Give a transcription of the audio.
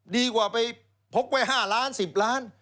ดีกว่าไปพกไว้๕ล้าน๑๐ล้าน